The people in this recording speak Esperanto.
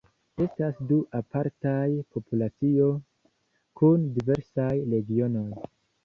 Estas du apartaj populacioj kun diversaj regionoj.